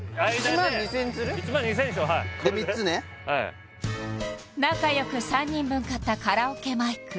１万２０００にしようはいで３つね仲よく３人分買ったカラオケマイク